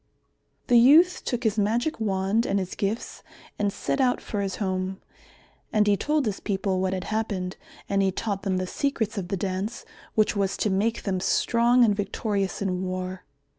The youth took his magic wand and his gifts and set out for his home. And he told his people what had happened and he taught them the secrets of the Dance which was to make them strong and victorious in war.